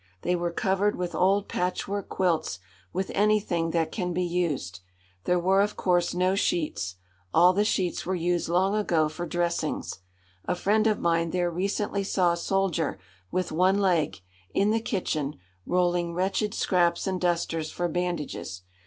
They were covered with old patchwork quilts, with anything that can be used. There were, of course, no sheets. All the sheets were used long ago for dressings. A friend of mine there recently saw a soldier with one leg, in the kitchen, rolling wretched scraps and dusters for bandages.